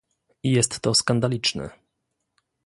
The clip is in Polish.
Jest to skandaliczne